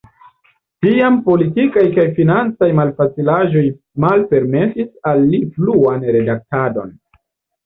Tiam politikaj kaj financaj malfacilaĵoj malpermesis al li pluan redaktadon.